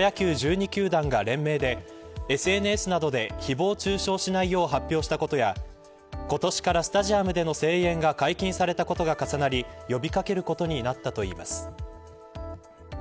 １２球団が連名でＳＮＳなどでひぼう中傷しないよう発表したことや今年からスタジアムでの声援が解禁されたことが重なり呼び掛けることになったといいます。